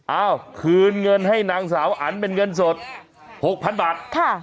เอ้าคืนเงินให้นางสาวอันเป็นเงินสด๖๐๐๐บาท